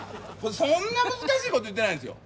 そんな難しいこと言ってないんですよ